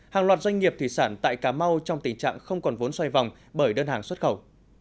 hàng loạt doanh nghiệp thủy sản tại cà mau trong tình trạng không còn vốn xoay vòng bởi đơn hàng xuất khẩu